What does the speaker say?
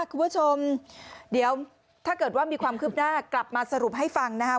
คุณผู้ชมเดี๋ยวถ้าเกิดว่ามีความคืบหน้ากลับมาสรุปให้ฟังนะครับ